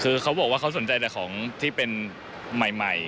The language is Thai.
คือเขาบอกว่าเขาสนใจแต่ของที่เป็นใหม่